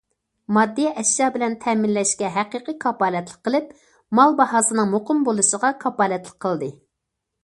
ماددىي ئەشيا بىلەن تەمىنلەشكە ھەقىقىي كاپالەتلىك قىلىپ، مال باھاسىنىڭ مۇقىم بولۇشىغا كاپالەتلىك قىلدى.